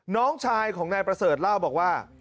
น้องชายของนายประเสริฐเล่าบอกว่า